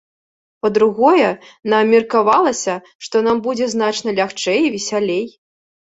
Па-другое, нам меркавалася, што нам будзе значна лягчэй і весялей.